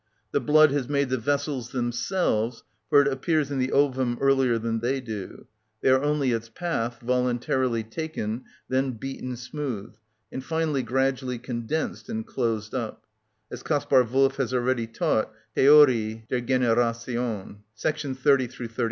The blood has made the vessels themselves; for it appears in the ovum earlier than they do; they are only its path, voluntarily taken, then beaten smooth, and finally gradually condensed and closed up; as Kaspar Wolff has already taught: "Theorie der Generation," § 30 35.